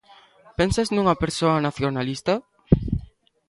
Pensas nunha persoa nacionalista?